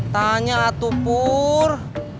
tanya atuh pur